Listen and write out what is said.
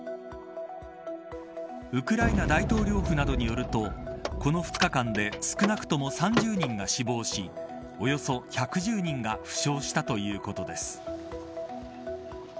ウクライナ大統領府などによるとこの２日間で少なくとも３０人が死亡しおよそ１１０人が負傷したということです。